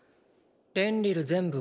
レンリル全部を。